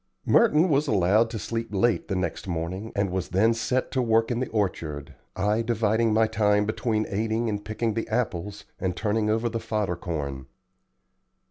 Merton was allowed to sleep late the next morning, and was then set to work in the orchard, I dividing my time between aiding in picking the apples and turning over the fodder corn.